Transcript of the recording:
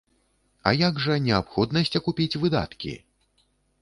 А як жа неабходнасць акупіць выдаткі?